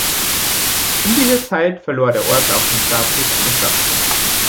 Um diese Zeit verlor der Ort auch den Status einer Stadt.